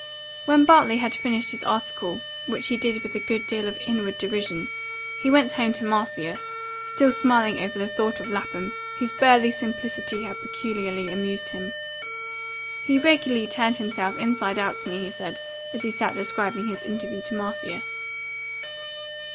When Bartley had finished his article, which he did with a good deal of inward derision, he went home to Marcia, still smiling over the thought of Lapham, whose burly simplicity had peculiarly amused him. "He regularly turned himself inside out to me," he said, as he sat describing his interview to Marcia.